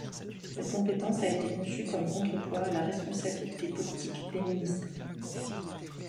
Cette compétence a été conçue comme contrepoids à la responsabilité politique des ministres.